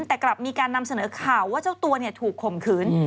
แต่กลับมีการนำเสนอข่าวว่าเจ้าตัวถูกข่มขืน